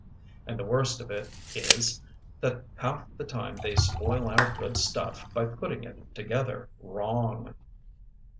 And the worst of it is that half the time they spoil our good stuff by putting it together wrong."